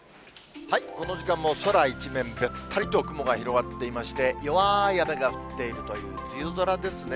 この時間も空一面、べったりと雲が広がっていまして、弱い雨が降っているという梅雨空ですね。